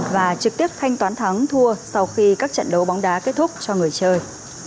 và trực tiếp thanh toán thắng thua sau khi các trận đấu bóng đá kết thúc cho người chơi